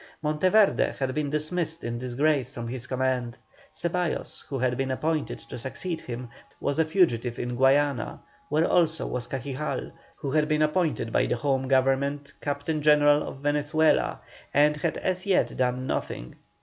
Monteverde had been dismissed in disgrace from his command; Ceballos, who had been appointed to succeed him, was a fugitive in Guayana, where also was Cajigal, who had been appointed by the Home Government Captain General of Venezuela, and had as yet done nothing.